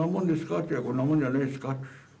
って、こんなもんじゃないですかって。